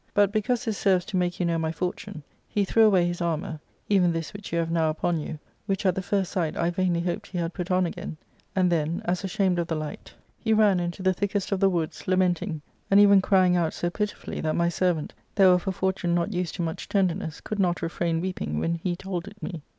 But, because this serves to make you know my fortime, he threw away his armour, even this which you have now upon you, which at the first sight I vainly hoped he had put on again ; and then, as ashamed of the light, he ran into the thickest of the woods, lamenting, and even crying out so pitifully that my servant, though^f a fortune not used to much tenderness, couldmot refram weeping when he told it me.